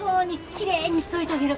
きれいにしといたげる。